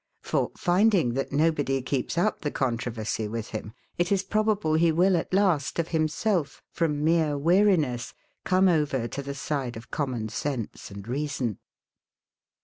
For, finding that nobody keeps up the controversy with him, it is probable he will, at last, of himself, from mere weariness, come over to the side of common sense and reason.